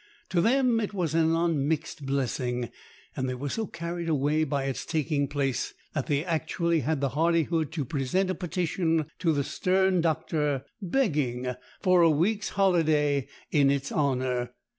To them it was an unmixed blessing, and they were so carried away by its taking place that they actually had the hardihood to present a petition to the stern doctor begging for a week's holiday in its honour.